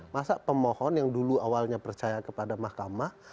masa pemohon yang dulu awalnya percaya kepada mahkamah